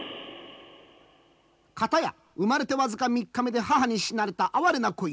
片や生まれて僅か３日目で母に死なれた哀れな子犬。